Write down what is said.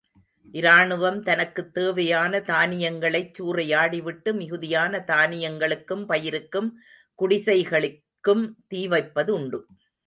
இராணுவம் தனக்குத் தேவையான தானியங்களைச் சூறையாடிவிட்டு மிகுதியான தானியங்களுக்கும், பயிருக்கும், குடிசைகளிற்கும் தீவைப்பதுண்டு.